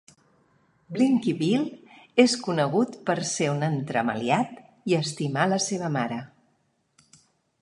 Blinky Bill és conegut per ser un entremaliat i estimar a la seva mare.